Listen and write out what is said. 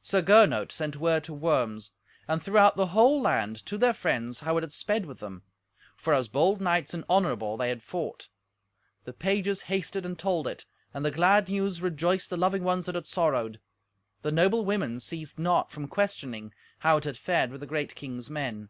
Sir Gernot sent word to Worms, and throughout the whole land, to their friends, how it had sped with them; for as bold knights and honourable they had fought. The pages hasted and told it, and the glad news rejoiced the loving ones that had sorrowed. The noble women ceased not from questioning how it had fared with the great king's men.